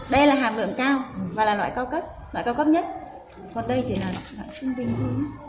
đây là hàng lượng cao và là loại cao cấp loại cao cấp nhất